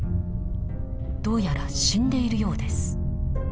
どうやら死んでいるようです。